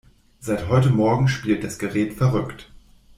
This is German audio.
Seit heute Morgen spielt das Gerät verrückt.